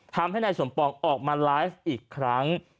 ทำให้นายสมปองออกมาไลฟ์อีกครั้ง